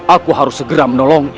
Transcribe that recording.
aku harus segera menolongnya